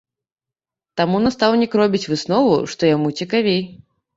Таму настаўнік робіць выснову, што яму цікавей.